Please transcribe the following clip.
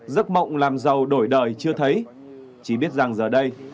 giấc mộng làm giàu đổi đời chưa thấy chỉ biết rằng giờ đây